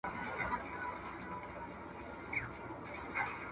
ژمنې باید پوره سي.